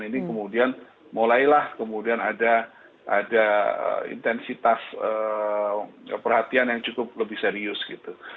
ini kemudian mulailah kemudian ada intensitas perhatian yang cukup lebih serius gitu